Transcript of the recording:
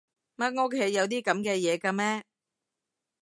乜屋企有啲噉嘅嘢㗎咩？